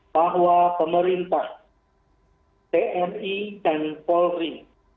bahwa pemerintah tni dan polri